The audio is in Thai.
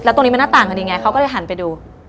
แล้วตรงนี้มันหน้าต่างคือดีไงเค้าก็เลยหันไปดู